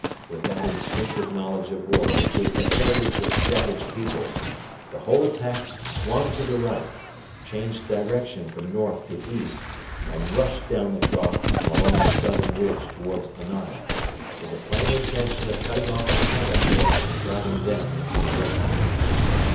With that instinctive knowledge of war which is the heritage of savage peoples, the whole attack swung to the right, changed direction from north to east, and rushed down the trough and along the southern ridge towards the Nile, with the plain intention of cutting off the Camel Corps and driving them into the river.